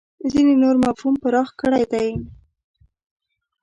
ځینې نور مفهوم پراخ کړی دی.